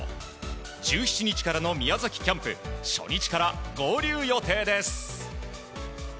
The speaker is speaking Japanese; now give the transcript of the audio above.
１７日からの宮崎キャンプ初日から合流予定です。